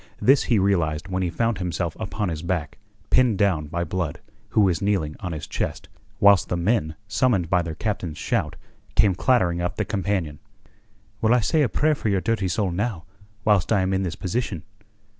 This he realized when he found himself upon his back, pinned down by Blood, who was kneeling on his chest, whilst the men summoned by their Captain's shout came clattering up the companion. "Will I say a prayer for your dirty soul now, whilst I am in this position?"